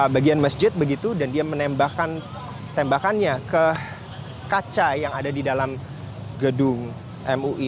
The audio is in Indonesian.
bagian masjid begitu dan dia menembakkan tembakannya ke kaca yang ada di dalam gedung mui